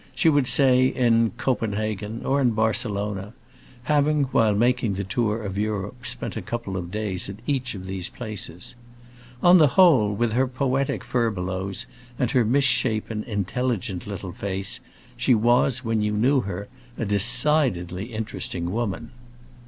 She would say in Copenhagen, or in Barcelona; having, while making the tour of Europe, spent a couple of days at each of these places. On the whole, with her poetic furbelows and her misshapen, intelligent little face, she was, when you knew her, a decidedly interesting woman.